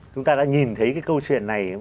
chúng ta đã nhìn thấy cái câu chuyện này